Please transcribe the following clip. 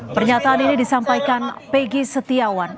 pernyataan ini disampaikan peggy setiawan